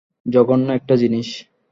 জঘন্য একটা জিনিস।